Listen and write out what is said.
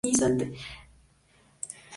Yazid fue entonces proclamado califa.